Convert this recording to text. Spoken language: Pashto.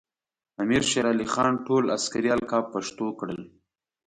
امیر شیر علی خان ټول عسکري القاب پښتو کړل.